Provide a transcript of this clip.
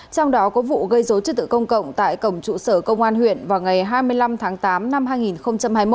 trong đó có vụ gây dối trật tự công cộng tại cổng trụ sở công an huyện vào ngày hai mươi năm tháng tám năm hai nghìn hai mươi một